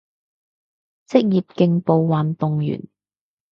職業競步運動員